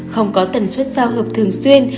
không có tần suất giao hợp thường xuyên